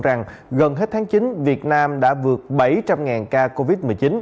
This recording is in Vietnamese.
rằng gần hết tháng chín việt nam đã vượt bảy trăm linh ca covid một mươi chín